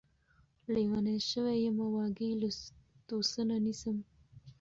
لېونے شوے يمه واګې له توسنه نيسم